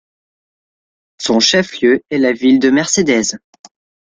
Son chef-lieu est la ville de Mercedes.